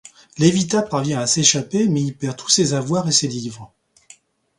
Lévita parvient à s’échapper mais y perd tous ses avoirs et ses livres.